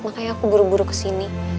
makanya aku buru buru ke sini